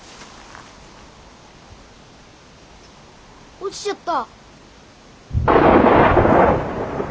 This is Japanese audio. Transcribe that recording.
落ちちゃった。